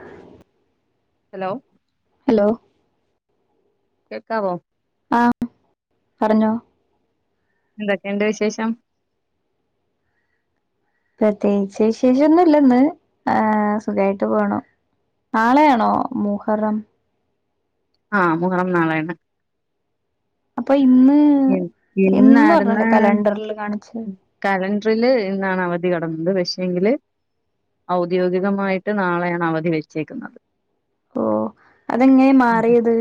ആ ഹലോ കേക്കാവോ ആ പറഞ്ഞോ എന്തൊക്കെണ്ട് വിശേഷം പ്രത്യേകിച്ച് വിശേഷൊന്നുംല്ലന്ന് ആ സുഖായിട്ട് പോണു നാളെയാണോ മൂഹറം ആഹ് മുഹറം നാളെയാണ് അപ്പൊ ഇന്ന് ഇന്ന് ഇന്നാരുന്ന് പറഞ്ഞല്ലേ കലണ്ടറിൽ കാണിച്ചേ കല ണ്ടറിൽ ഇന്നാണ് അവധി കിടന്നത് പക്ഷേങ്കില് ഔദ്യോഗികമായിട്ട് നാളെയാണ് അവധി വെച്ചേക്കുന്നത് ഓ അതെങ്ങനെ മാറിയത്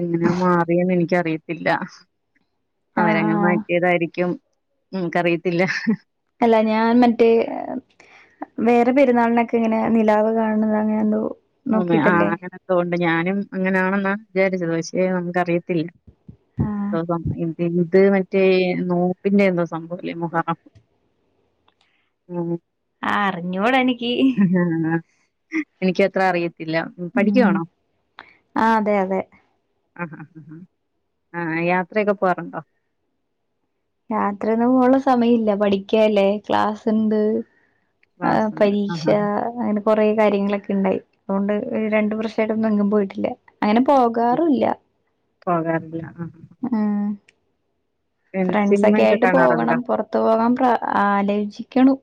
എങ്ങനാ മാറിയെന്നനി ക്കറിയത്തില്ല അവരന്നെ ആഹ് മാറ്റിയതായിരിക്കും ഉം കറിയത്തില്ല അല്ല ഞാൻ മറ്റേ വേറെ പെരുന്നാളിനൊക്കെ ഇങ്ങനെ നിലാവ് കാണുന്നത് അങ്ങനെ എന്തോ ആ മ്മെ ആ നോക്കിട്ടല്ലേ അങ്ങനെയന്തോ ഉണ്ട് ഞാനും അങ്ങനെയാണെന്നാണ് വിചാരിച്ചത് പക്ഷേ നമുക്കറിയത്തില്ല ആഹ് [unintelligible] മറ്റേ നോമ്പിന്റെ എന്തോ സംഭവ ല്ലേ മുഹറം ഉം ആ അറിഞ്ഞുടാ എനിക്ക് എനിക്കത്ര അറിയത്തില്ല ഉം പഠിക്കവാണോ ആഹ് അതെ അതെ ആഹാ ആഹാ ആ യാത്രയൊക്കെ പോവാറുണ്ടോ യാത്രന്നും പോവള്ള സമയം ഇല്ല പഠിക്കല്ലേ ക്ലാസ്സ്ണ്ട് ആ ക്ലാസ്ണ്ട് പരീക്ഷ ആഹ് അങ്ങനെ കൊറെ കാര്യങ്ങളൊക്കെ ഉണ്ടായി അതുകൊണ്ട് രണ്ടു വർഷമായിട്ടൊന്നും എങ്ങും പോയിട്ടില്ല അങ്ങനെ ആഹ് പോകാറുംല്ല പോകാറില്ല ആ ആ പിന്നെ ഫ്രണ്ട്സക്കെ സിനിമയൊക്കെ ആയിട്ട് കാണാറുണ്ടോ? പോകണം പുറത്തു പോകാൻ പ്ര ആലോചിക്കണു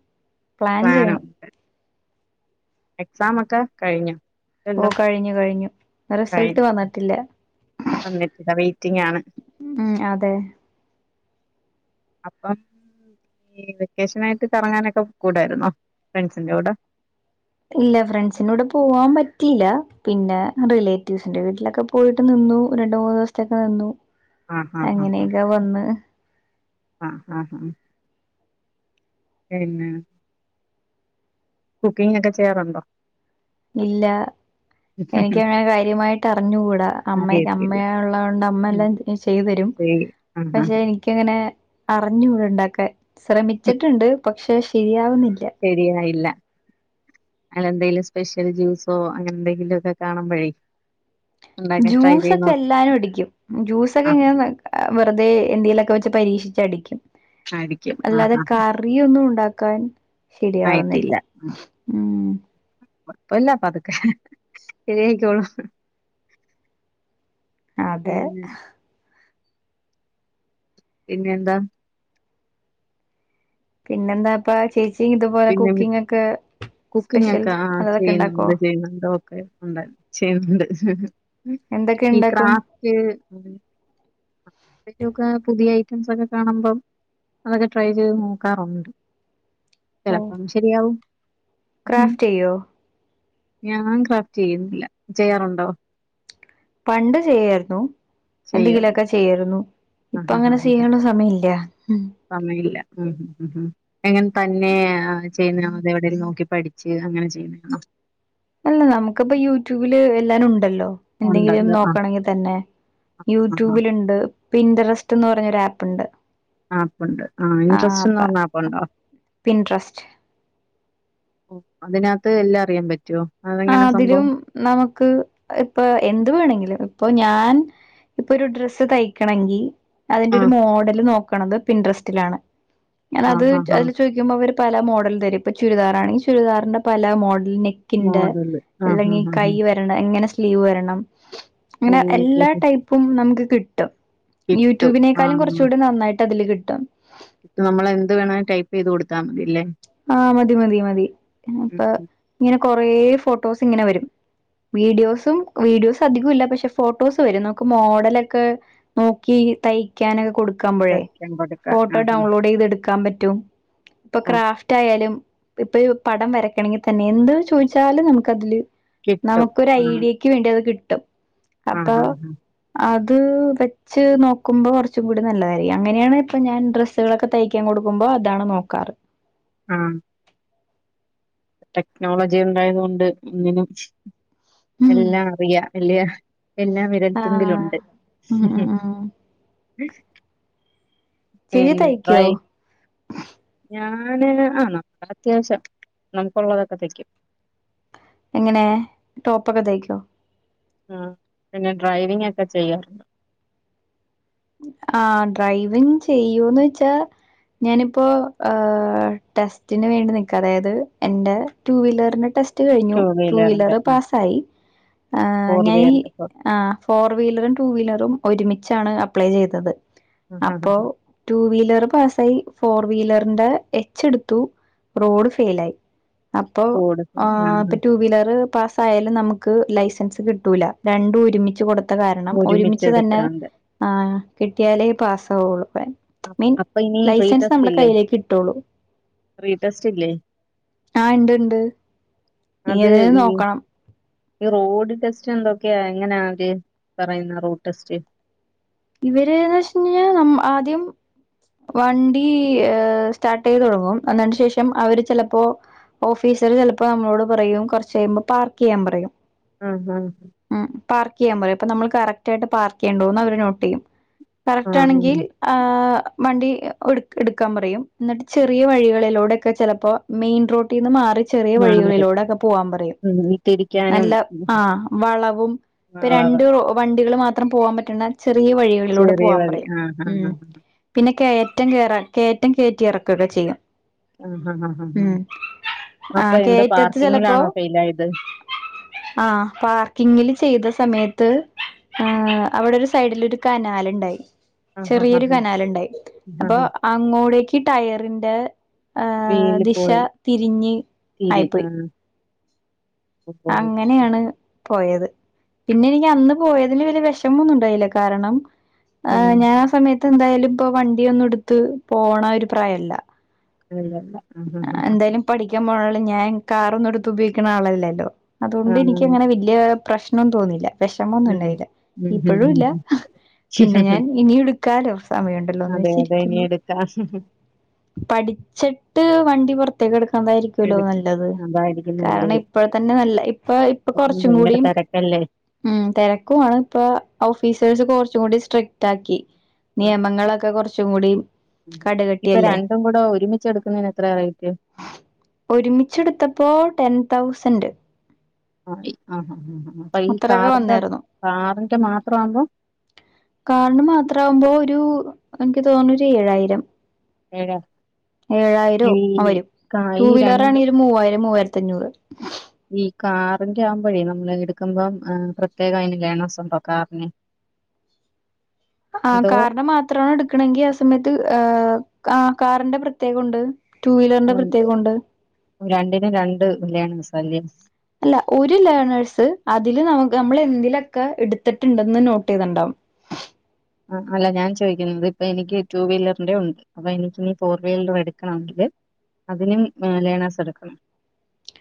പ്ലാൻ ചെയ്യണു പ്ലാനുണ്ട് എക്സാം ഒക്കെ കഴിഞ്ഞോ ഓ ഇല്ലല്ലോ കഴിഞ്ഞു കഴിഞ്ഞു റിസൾട്ട് കഴിഞ്ഞ് വന്നിട്ടില്ല വന്നിട്ടില്ല വെറ്റിംഗ് ആണ് ഉം അതെ അപ്പം ഈ വെക്കേഷനായിട്ട് കറങ്ങാനൊക്കെ പൊക്കുടായിരുന്നോ ഫ്രണ്ട്സിന്റെ കൂടെ ഇല്ല ഫ്രണ്ട്സിന്റുടെ പോവാൻ പറ്റില്ല പിന്നെ റിലേറ്റീവ്സിന്റെ വീട്ടിലൊക്കെ പോയിട്ട് നി ന്നു രണ്ട് മൂന്ന് ദിവസതെക്കു നിന്നു അങ്ങനെയൊക്കെ വന്ന് ആ ആഹ് ആ പിന്നെ കുക്കിംങ് ഒക്കെ ചെയ്യാറുണ്ടോ ഇല്ല എനിക്കങ്ങനെ കാര്യമായിട്ട് അറിഞ്ഞുകൂടാ അമ്മ അറിയത്തില്ല അമ്മയ ഉള്ളത് കൊണ്ട് അമ്മ ഉം എല്ലാം ചെയ്തരും ശരി ആഹ് പക്ഷെ ആഹ് എനിക്കങ്ങനെ അറിഞ്ഞൂടണ്ടാകാൻ ശ്രമിച്ചിട്ടുണ്ട് പക്ഷെ ശരിയാവുന്നില്ല ശരിയായില്ല ആ എന്തേലും സ്പെഷ്യൽ ജ്യൂസോ അങ്ങനെ എന്തെങ്കിലുക്കെ കാണുംമ്പഴേ ജ്യൂസ്‌ ഒക്കെ എല്ലാരും അടിക്കും ജ്യൂസൊക്കെ ആഹ് ഇങ്ങനെ വെറുതെ എന്തേങ്കി ലൊക്കെ വെച്ച് പരീക്ഷി ച്ചടിക്കും അടിക്കും ആഹ് അല്ലാതെ ആഹ് കറി ഒന്നും ഉണ്ടാക്കാൻ ശരിയാവുന്നില്ല ആയിട്ടില്ല. ഉം പ്പല്ല പതുക്കെ ശരിയായിക്കോളും അതെ പിന്നെ പിന്നെന്താ പിന്നെന്താ ഇപ്പ ചേച്ചി ചി ഇതുപോലെ പിന്നെ കുക്കിംഗ് ഒക്കെ സ്പെഷ്യൽ കുക്കിംഗൊക്കെ നല്ലതൊക്കെ ഇണ്ടാക്കോ അത് കണ് ചെയ്യ്ന്ന്ണ്ട് എന്തൊക്കെ ഈ ഇണ്ടാക്കും? ക്രാഫ്റ്റ് ഒക്കെ പുതിയ ഐറ്റംസൊക്കെ കാണുമ്പം അതൊക്കെ ട്രൈ ചെയ്ത് നോക്കാറുണ്ട് ചെലപ്പം ശരിയാവും ഉം. ക്രാഫ്റ്റെയ്യോ ഞാൻ ക്രാഫ്റ്റ് ചെയ്യുന്നില്ല ചെയ്യാറുണ്ടോ പണ്ട് ചെയ്യാരുന്നു ചെയ്യോ? എന്തെങ്കിലും ഒക്കെ ചെയ്യാരുന്നു ഇപ്പങ്ങനെ ചെയ്യാൻള്ള സമയം ഇല്ല സമയ ഇല്ല ഉം ഉ ഉ ഉ അങ്ങനെ തന്നെ ചെയ്യുന്നതാണോ അതെവിടേലും നോക്കി പഠിച്ച് അങ്ങനെ ചെയ്യുന്നതാണോ അല്ല നമുക്കിപ്പ യൂട്യൂബില് എല്ലാരും ഉണ്ടല്ലോ എന്തെങ്കിലും ഉണ്ടല്ലോ ആഹ് നോക്കണെങ്കിൽ തന്നെ ആഹ് യൂട്യൂബിലിണ്ട് പിന്ററസ്റ്റ് ന്ന് പറഞ്ഞൊരു ആപ്പ് ഇണ്ട് ആപ്പ്ണ്ട് ആ ഇൻട്രസ്റ്റ്ന്നർഞ്ഞ ആപ്പ്ണ്ടോ പിൻട്രസ്റ്റ് ഓ അതിനകത്ത് എല്ലാം അറിയാൻ പറ്റോ ആ അതെങ്ങനാ അതിലും സംഭവം? നമുക്ക് ഇപ്പൊ എന്ത് വേണെങ്കിലും ഇപ്പൊ ഞാ ൻ ഇപ്പൊരു ഡ്രസ്സ് തയ്ക്കണെങ്കി അയ്ന്റൊരു ആഹ് മോഡൽ നോ ക്ക്ണത് പിൻട്രസ്റ്റിലാണ് ഞാൻ അത് ആഹ് ആഹ് ആഹ് അയില് ചോയ്ക്കുമ്പോ അവര് പല മോഡലും തരും ഇപ്പൊ ചുരിദാറാണെങ്കിൽ ചുരിദാറിന്റെ പല മോഡൽ നെക്കിന്റെ മോഡല് ആഹ് അല്ലെങ്കിൽ ആഹ് കൈ ആഹ് വരണ എങ്ങനെ സ്ലീവ് വരണം അങ്ങനെ ഓഹ് എല്ലാ ഓഹ് ടൈപ്പും നമുക്ക് കി ട്ടും കിട്ടും. യൂട്യൂബിനേക്കാളും കൊറച്ചൂടി നന്നായിട്ട് അതില് കിട്ടും ഇപ്പം നമ്മൾ എന്ത് വേണേലും ടൈപ്പ് ചെയ്ത് കൊടുത്താൽ മതിയല്ലേ ആ മതി മതി മതി ഉം അപ്പൊ ഉം ഇങ്ങനെ കൊറേ ഫോട്ടോസ് ഇങ്ങനെ വരും വീഡിയോസും വീഡിയോസ് അധികംല്ല പക്ഷെ ഫോട്ടോസ് വരും നമുക്ക് മോഡലൊക്കെ നോക്കി തയിക്കാനൊക്കെ കൊട് ക്കുമ്പൊഴേ സെക്ഷൻ കൊടുക്കാം ഫോട്ടോ ആഹ് ആഹ് ഡൗൺലോഡെയ്ത് എടുക്കാൻ പറ്റും ഇപ്പൊ ആഹ് ക്രാഫ്റ്റ് ഇപ്പയും പടം വരക്കണെങ്കി തന്നെ എന്തൊ ചോയ്ച്ചാലും നമുക്കതില് കിട്ടും. നമുക്ക് ഒരു ആഹ് ഐഡിയക്ക് വേണ്ടി അത് കിട്ടും അപ്പൊ ആഹ് ആഹ് അ ത് വെച്ച് നോക്കുമ്പോ കുറച്ചു കൂടി നല്ലതായിരിക്കും അങ്ങനെയാണ് ഇപ്പം ഞാൻ ഡ്രസ്സുകളൊക്കെ തയ്ക്കാൻ കൊടുക്കുമ്പോൾ അതാണ് നോക്കാറ് ആ ടെക്നോളജി ഉണ്ടായത് കൊണ്ട് ഇങ്ങനെ ഉം എല്ലാം അറിയാം അല്ലെ എല്ലാം ആഹ് വിരൽത്തുമ്പിലുണ്ട് ഉം ഉം ഉം ചേച്ചി പിന്നെ തയ്ക്കോ ട്രൈ ഞാന് ആ നമ്മൾ അത്യാവശ്യം നമുക്കുള്ളതൊക്കെ തയ്ക്കും എങ്ങനെ ടോപ്പൊക്കെ തയ്ക്കോ ആ പിന്നെ ഡ്രൈവിങ് ഒക്കെ ചെയ്യാറുണ്ടോ ആ ഡ്രൈവിങ് ചെയ്യോന്നോയ്ച്ചാ ഞാനിപ്പോ ഏ ടെസ്റ്റിന് വേണ്ടി നിക്ക അതായത് എന്റെ ടു വീലറിന്റെ ടെ സ്റ്റ് കഴിഞ്ഞു ടു വീലറിന്റെ വീലർ ആ പാസായി ആ ഫോർ ഞാൻ ഈ വീലർ ആ ഫോർ വീലറും ടു വീലറും ഒരുമിച്ചാണ് അപ്ലൈ ചെയ്തത് അപ്പോ ടു വീലർ പാസായി ഫോർ വീലറിന്റെ എച്ചെടുത്തു റോഡ് ഫെയിലായി അപ്പൊ ആ അപ്പൊ ടു വീലറ് പാസ് ആയാലും നമുക്ക് ലൈസൻസ് കിട്ടൂല്ല രണ്ടും ഒരുമിച്ച് കൊടു ന്ന കാരണം ഒരുമിച്ച് തന്നെ ഒരുമിച്ചെടുത്താണ്ട് ആ കിട്ടിയാലേ പാസ്സ ആവുള്ളു അ- മീൻ അപ്പൊ ഇനി ലൈസൻസ് റീടെസ്റ്റ് നമ്മുടെ ഇല്ലേ കയ്യിലേക്ക് കിട്ടുള്ളൂ റീടെസ്റ്റ് ഇല്ലേ ആഹ ഇണ്ട് ഇണ്ട് ഈ അത് നോക്കണം ഈ റോഡ് ടെസ്റ്റ് എന്തൊക്കെയ എങ്ങനെയാകെ അവര് പറയുന്ന റോഡ് ടെസ്റ്റ് ഇവര്ന്ന് വെച്ചഴിഞ്ഞാ നമ്മ ആദ്യം വണ്ടി സ്റ്റാർട്ട് ചെയ്ത് തുടങ്ങും എന്നിട്ട് ശേഷം അവര് ചിലപ്പോ ഓഫീസ് സർ ചിലപ്പോ നമ്മളോട് പറയും കുറച്ച് കഴിയുമ്പോ പാർക്ക് ചെയ്യാൻ പറയും ആഹ ഹഹ് ഉം പാർക്ക് ചെയ്യാൻ അപ്പൊ നമ്മൾ കറക് ആായിട്ട് പാർ ചെയ്യണ്ടോന്ന് അവര് നോട്ട് ചെയ്യും ആ കറക്റ്റ് ഉം. ആണെങ്കിൽ ആ വണ്ടി എടുക്കാൻ പറയും എന്നിട്ട് ചെറിയ വഴികളിലൂടെക്കെ ചിലപ്പോ മെയിൻ റോട്ടീന്ന് മാറി ചെറിയ മാറി വഴികളിലൂടെക്കെ പോവാൻ പറയും ഉം ഈ തിരിക്കാനും നല്ല ആ വളവും ഇപ്പ വളവ് രണ്ട് റോ വണ്ടികൾ മാത്രം പോവാൻ പറ്റുന്ന ചെറിയ വഴികളിലൂടെ ചെറിയ പോവാൻ വഴി പറയും ആഹ് ആഹ് ഉ ആഹ് പിന്നെ കേറ്റം കേറാ കേറ്റം എറക്കൊക്കെ ചെയ്യും ആ ഹ ആ ഹ ഹ ഉം ആ അപ്പൊ എന്ത് കയറ്റത്ത് ചിലപ്പോ പാർക്കിങ്ങിലാണോ ഫെൽ ആയത് ആഹ് പാർക്കിങ്ങില് ചെയ്ത സമയത്ത് ആ അവിടെ ഒരു സൈഡിൽ ഒരു കനാല് ഇണ്ടായി ആഹ് ആഹ് ചെറിയൊരു ആഹ് കനല്ണ്ടായി ആഹ് അപ്പൊ ആഹ് അങ്ങോട്ടേക്ക് ടയറിന്റെ ആ വീല് ദിശ പോയി തിരിഞ്ഞ് തിരി ആയിപ്പോയി ആ ഉം. അങ്ങനെയാണ് പോയത് പിന്നെ എനിക്ക് അന്ന് പോയതില് വലിയ വിഷമൊന്നും ഉണ്ടായില്ല കാരണം ഉം. ആഹ് ഞാൻ ആ സമയത്ത് എന്തായാലും ഇപ്പൊ വണ്ടിയൊന്നും എടുത്ത് പോണ ഒരു പ്രായല്ല അ [unintelligible] എന്തായാലും പഠിക്കാൻ പോണല്ലോ ഞാൻ കാറൊന്നും എടുത്ത് ഉപയോഗിക്കുന്ന ആളല്ലല്ലോ ആ, അതുകൊണ്ട് എനിക്ക് ഉം. അങ്ങനെ വലിയ പ്രശ്ന തോന്നില്ല വിഷമൊന്നുംണ്ടായില്ല ഉം. ഉം. ഇപ്പഴും ഇല്ല ഉം. പിന്നെ ഞാൻ ഉം. ഇനിയും ഇടുക്കാലോ സമയമുണ്ടല്ലോ എന്ന് അതെ അതെ ഇനി വെച്ചിരിക്കുന്നു എടുക്കാം പഠിച്ച് വണ്ടി പുറത്തേക്ക് എടുക്കാതായിരിക്കുല്ലോ എടുക്കും നല്ലത് അതായിരിക്കും കാരണം നല്ലത് ഇപ്പോഴ തന്നെ നല്ല ഇപ്പ ഇപ്പൊ അപ്പം കുറച്ചും ഭയങ്കര കൂടി തിരക്കല്ലേ ഉം തിരക്കുമാണ് ഇപ്പൊ ഓഫീസേഴസ് കുറച്ച് കൂടി സ്റ്റിക്ക്ട്ട് ആക്കി ആ. നിയമങ്ങളൊക്കെ കുറച്ചും കൂടി ഇപ്പൊ കടുകട്ടിയല്ലേ രണ്ടും കൂടെ ഒരുമിച്ച എടുക്കുന്നതിന ഒരുമിച്ചെടുത്തപ്പോ ടെൻ തൗസൻറ്് ആ ആ ആ അപ്പൊ ഈ കാറിന്റെ വന്നായിരുന്നു കാറിന്റെ മാത്ര ആവുമ്പോ കാറിന് മാത്ര ആവുമ്പോ ഒരു എനിക്ക് തോന്ന ഒരു ഏഴായിരം ഏടാ ഏഴായിരോ ആ വരും ടു ഈ വീലറ ആണ രണ്ടും ഒരു മൂവായിരം മൂവായിരത്തി അഞ്ഞൂറ് ഈ കാറിന്റെ ആവുമ്പോഴേ നമ്മള് എടുക്കുമ്പം പ്രത്യേകം അതിന് ലേണസുണ്ടോ കാറിന് അ ആ കാറിന് മാത്രമാണ് എടുക്കണെങ്കി ആ സമയത്ത് ആ കാറിന്റെ പ്രത്യേകം ഉണ്ട് ടു വീലറിന്റെ പ്രത്യേകം ഉണ്ട് രണ്ടിനും രണ്ട് ലേണേഴ്സാലെ അല്ല ഒരു ലേണേഴ്സ് അതില് നമ്മൾ നമുക്ക് എന്തിലൊക്കെ എടുത്തിട്ടുണ്ടെന്ന് നോട്ട് ചെയ്തിണ്ടാവും [inaudible] ആ അല്ല ഞാൻ ചോദിക്കുന്നത് ഇപ്പൊ എനിക്ക് ടടു വീലറിന്റെയും ഉണ്ട് അപ്പൊ എനക്ക് ഇനി ഫോർ വീലറും എടുക്കണങ്കില് അതിനും ലേണാസ് എടുക്കണം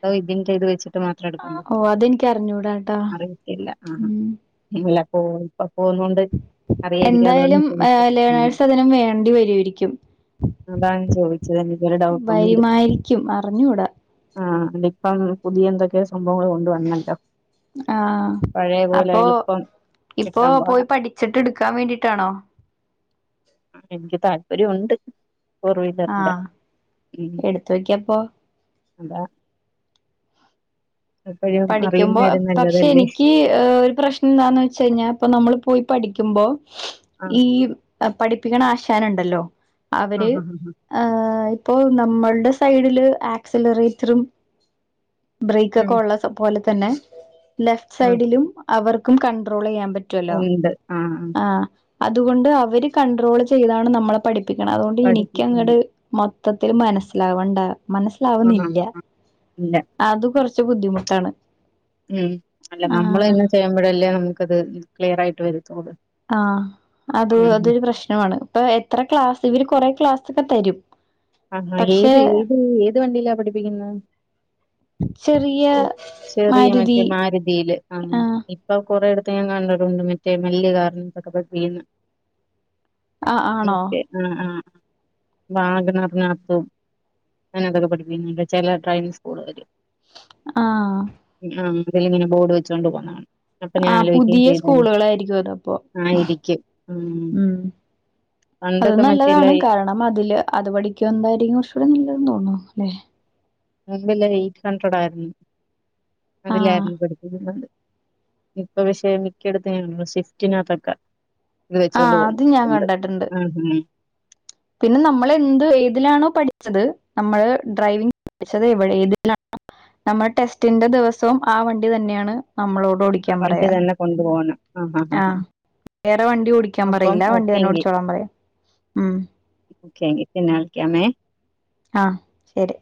അതോ ഇതിൻ്റചെയ്ത് വെച്ച അ മാത്രം എടുക്കാൻ ഓ പറ്റോ അതെനിക്ക് അറിഞ്ഞൂടാട്ടാ അറിയത്തില്ല ഉം ആഹല്ല ഇപ്പ പോന്നൊണ്ട് അറിയരിക്കാതോ എന്തായാലും [unintelligible] ലേണേഴ്സ് അതിനും വേണ്ടി വരുമായിരിക്കും അതാണ് ചോദിച്ചത് എനിക്കൊരു ഡൗട്ടുണ്ട് വരുമായിരിക്കും അറിഞ്ഞൂടാ ആ ഇപ്പം അങ്ങനെ പുതിയ എന്തൊക്കെ സംഭവങ്ങള് കൊണ്ടുവന്നല്ലോ ആ പഴയ പോലെ അപ്പോ എളുപ്പം ഇപ്പോ കിട്ടാൻ പോയി പാടാ പഠിച്ചിട്ട് എട് ക്കാൻ വേണ്ടിട്ടാണോ എനിക്ക് താല്പര്യയെണ്ട് കുറവിതല്ല ആഹ് ഉം എടുത്ത് നോക്കിയപ്പോ അതാ എപ്പോഴും പഠിക്കുമ്പോ അറിയുന്നവരും പക്ഷെ നല്ലതല്ലേ എനിക്ക് ഒരു പ്രശ്നം എന്താന്ന് വെച്ചകഴിഞ്ഞാ ഇപ്പം നമ്മള് പോയി പഠി ക്കുമ്പോ ആ ഈ പഠിപ്പിക്കണ ആശാനുണ്ടല്ലോ ആ അവര് ആ ആ ആഹ് ഇപ്പോ നമ്മൾടെ സൈഡില് ആക്സിലറേറ്ററും ബ്രേക്ക് ആ. ഒക്കെ ഉം. ഉള്ള സം പോലെത്തന്നെ ലെഫ് ആ സൈഡിലും അവർക്കും കൺട്രോള് ചെയ്യാം പറ്റല്ലോ ആ അതുകൊണ്ട് അവര് കണ്ട്രോള് ചെയ്താണ് നമ്മളെ പഠിപ്പിക്കണെ അതുകൊണ്ട് എനിക്കങ്ങട് പഠിപ്പിക്കുന്നു. മ ത്തത്തില് മനസ്സിലാവണ്ട ആ. മനസ്സിലാവുന്നില്ല ആ. ഇല്ല. അത് കൊറച്ച് ബുദ്ധിമുട്ടാണ് ഉം അല്ല നമ്മള് ആഹ് തന്നെ ചെയ്യമ്പഴല്ലേ നമുക്കത് ക്ലിയർ ആയിട്ട് വരുത്തൊളു ആ അത് അതൊരു പ്രശ്നവാണ് ഇപ്പൊ എത്ര ക്ലാസ്സ് ഇവര് കൊറെ ക്ലാസെക്കെ തരും ആ പക്ഷെ ഏത് ഏത് ഏത് വണ്ടിയിലാ പഠിപ്പിക്കുന്നേ ചെറിയ ചെറിയ മാരുതി മറ്റേ മാരുതീല് ആ ആഹ് ഇപ്പൊ കൊറെയെടത്ത് തേ കണ്ടിട്ടുണ്ട് മറ്റേ വല്യ കാറിനാത്തൊക്കെ പഠിപ്പിക്കുന്നേ ആഹ് ആണോ ഓക്കേ ആ ആ വാഗ്നർറിനകത്തും ആ അതൊക്കെ പഠിപ്പിക്കുന്നുണ്ട് ചെല ഡ്രൈവിങ് സ്കൂള് കാര് ആ ഇങ്ങനെ ബോഡ് വച്ച് കാെണ്ട് പോന്നത് കാണാം അപ്പൊ ആ ഞാൻ ആലോചിക്കുകയും പുതിയ ചെയ്തേനെ സ്കൂളുകളായിരിക്കും അതപ്പൊ ഉം അത് പണ്ടൊക്കെ നല്ലതാണ് മറ്റേ കാരണം അതില് അത് പഠിക്കോമ്പോയിരിക്കും [unintelligible] [unintelligible] [unintelligible] ലെ ഞങ്ങൾക്ക് എല്ലാം എയ്റ്റ് ഹൻഡ്രേഡ് ആയിരുന്നു ആഹ് അതിലായിരുന്നു പഠിപ്പിക്കുന്നത് ഇപ്പൊ വിഷയം മിക്കടെത്തു ഇങ്ങനെ സിസ്റ്റിനാതൊക്കെ ഇത് വെച്ചൊണ്ട് ആഹ് അത് പോകുന്നുണ്ട് ഞാൻ ഉണ്ട് കണ്ടിട്ടുണ്ട് ആ അ പിന്നെ നമ്മള് എന്ത് ഏതിലാണോ പഠിച്ചത് നമ്മള് ഡ്രൈവിംഗ പഠിച്ചത് എവിട ഏതിലാണ് നമ്മ ടെസ്റ്റിന്റെ ദെവസവും ആ വണ്ടി തന്നെയാണ് നമ്മളോട് ഓടിക്കാൻ പറയാ ആ ആ ആ ആഹ് വേറെ വണ്ടി ഓടിക്കാൻ അപ്പം പറയില്ല ആ വണ്ടി തന്നെ ഓക്കെയെങ്കി ഓടിച്ചോളാൻ പറയാ ഉം ഒക്കെയെങ്കി പിന്നെ വിളിക്കാമെ ആ ശരി